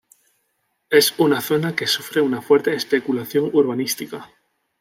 Es una zona que sufre una fuerte especulación urbanística.